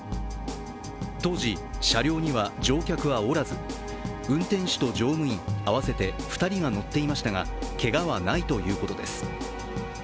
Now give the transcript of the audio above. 当時、車両には乗客はおらず運転手と乗務員合わせて２人が乗っていましたがけがはないということです。